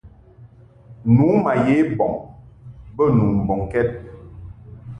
Nu ma ye bɔŋ bə nu mbɔŋkɛd.